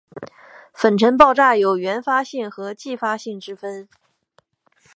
粉尘爆炸有原发性和继发性之分。